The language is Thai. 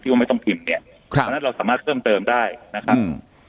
ที่ว่าไม่ต้องทิ่มครับดังนั้นเราสามารถเขิมเติมได้นะครับ